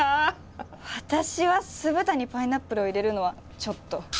私は酢豚にパイナップルを入れるのはちょっと。